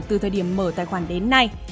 từ thời điểm mở tài khoản đến nay